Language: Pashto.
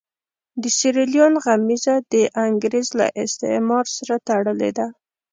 د سیریلیون غمیزه د انګرېز له استعمار سره تړلې ده.